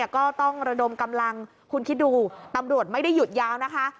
ก็ต้องระดมกำลังคุณคิดดูตำรวจไม่ได้หยุดยาวนะคะ